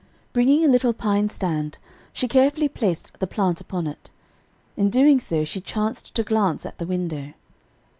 "] Bringing a little pine stand, she carefully placed the plant upon it. In doing so, she chanced to glance at the window.